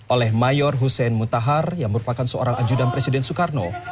oleh mayor hussein mutahar yang merupakan seorang ajudan presiden soekarno